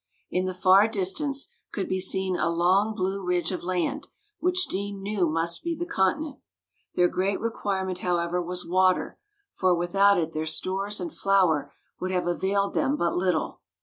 In the far distance could be seen a long blue ridge of land, which Deane knew must be the continent. Their great requirement however was water, for without it their stores and flour would have availed them but little.